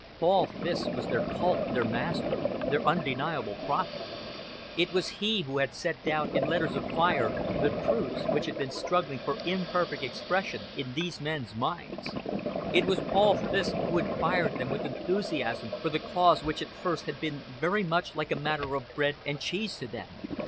Paul Fiske was their cult, their master, their undeniable prophet. It was he who had set down in letters of fire the truths which had been struggling for imperfect expression in these men's minds. It was Paul Fiske who had fired them with enthusiasm for the cause which at first had been very much like a matter of bread and cheese to them.